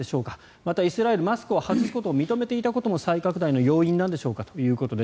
また、イスラエルはマスクを外すことを認めていたことも再拡大の要因なのでしょうかということです。